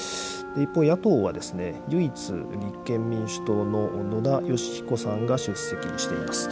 一方、野党は唯一、立憲民主党の野田佳彦さんが出席しています。